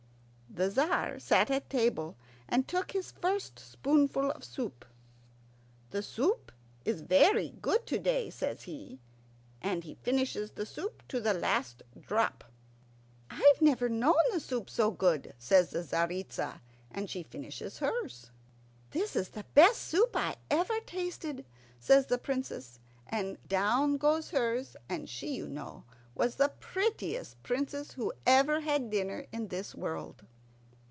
The Tzar sat at table and took his first spoonful of soup. "The soup is very good to day," says he, and he finishes the soup to the last drop. "I've never known the soup so good," says the Tzaritza, and she finishes hers. "This is the best soup I ever tasted," says the Princess, and down goes hers, and she, you know, was the prettiest princess who ever had dinner in this world.